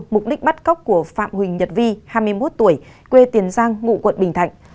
mục đích bắt cóc của phạm huỳnh nhật vi hai mươi một tuổi quê tiền giang ngụ quận bình thạnh